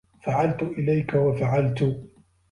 فَعَلْتُ إلَيْك وَفَعَلْتُ